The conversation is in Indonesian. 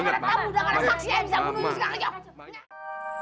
ini bukan ada tamu bukan ada saksi yang bisa bunuh